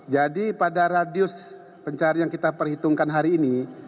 jadi pada radius pencarian yang kita perhitungkan hari ini